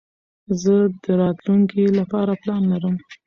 زه د راتلونکي له پاره پلان لرم.